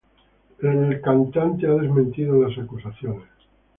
El cantante ha desmentido las acusaciones.